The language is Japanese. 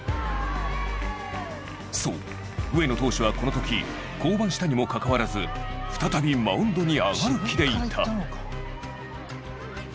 そう、上野投手はこの時降板したにもかかわらず再びマウンドに上がる気でいた。